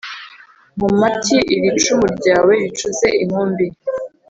nkomati iri cumu ryawe ricuze inkumbi